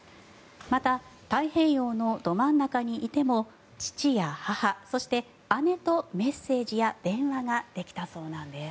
また太平洋側のど真ん中にいても父や母、そして姉とメッセージや電話ができたそうなんです。